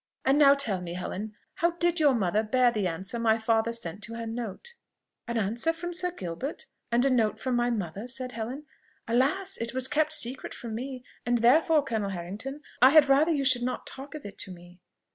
And now tell me, Helen, how did your mother bear the answer my father sent to her note?" "An answer from Sir Gilbert? and to a note from my mother?" said Helen. "Alas! it was kept secret from me; and therefore, Colonel Harrington, I had rather you should not talk of it to me."